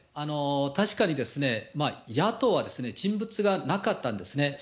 確かに野党は人物がなかったんですね。